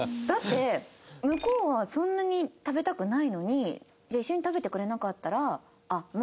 だって向こうはそんなに食べたくないのにじゃあ一緒に食べてくれなかったらあっ